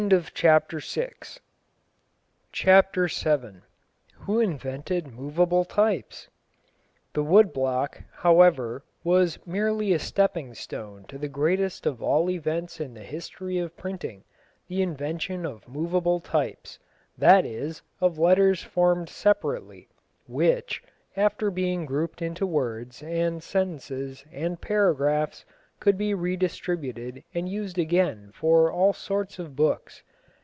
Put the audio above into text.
CHAPTER VII WHO INVENTED MOVEABLE TYPES? The wood block, however, was merely a stepping stone to the greatest of all events in the history of printing, the invention of moveable types; that is, of letters formed separately, which, after being grouped into words, and sentences, and paragraphs, could be redistributed and used again for all sorts of books.